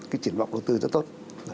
cái triển vọng đầu tư rất tốt